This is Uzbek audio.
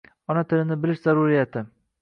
Ona tilini bilish zaruriyati.